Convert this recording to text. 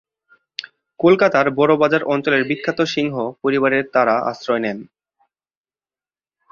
কলকাতার বড়বাজার অঞ্চলের বিখ্যাত সিংহ পরিবারে তারা আশ্রয় নেন।